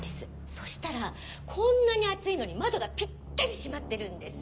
そしたらこんなに暑いのに窓がピッタリ閉まってるんです。